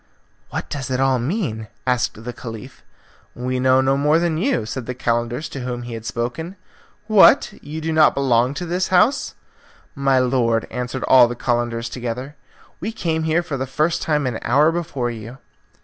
"What does it all mean?' asked the Caliph. "We know no more than you," said the Calender to whom he had spoken. "What! You do not belong to the house?" "My lord," answered all the Calenders together, "we came here for the first time an hour before you."